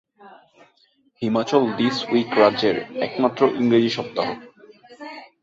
Himachal this week রাজ্যের একমাত্র ইংরেজি সাপ্তাহিক।